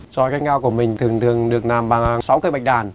tròi các ngao của mình thường thường được làm bằng sáu cây bạch đàn